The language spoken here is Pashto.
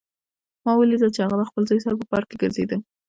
ما ولیدل چې هغه د خپل زوی سره په پارک کې ګرځېده